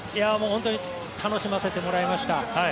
本当に楽しませてもらいました。